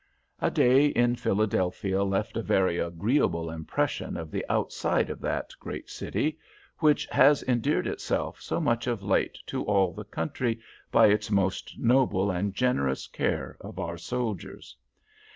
A day in Philadelphia left a very agreeable impression of the outside of that great city, which has endeared itself so much of late to all the country by its most noble and generous care of our soldiers.